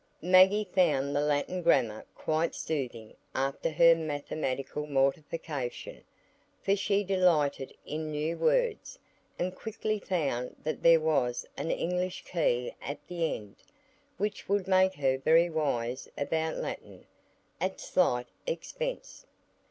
Maggie found the Latin Grammar quite soothing after her mathematical mortification; for she delighted in new words, and quickly found that there was an English Key at the end, which would make her very wise about Latin, at slight expense.